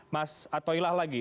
mas atoilah lagi